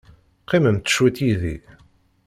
Qqimemt cwiṭ yid-i.